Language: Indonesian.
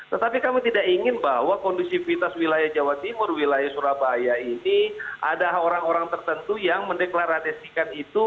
tetapi kami tidak ingin bahwa kondusivitas wilayah jawa timur wilayah surabaya ini ada orang orang tertentu yang mendeklarasikan itu